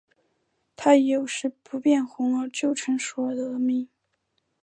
它以有时不变红就成熟而得名。